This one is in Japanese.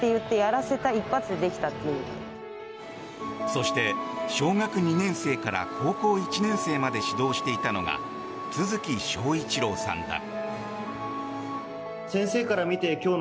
そして、小学２年生から高校１年生まで指導していたのが都築章一郎さんだ。